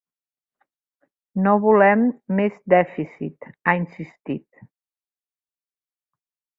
No volem més dèficit, ha insistit.